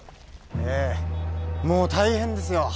ええもう大変ですよ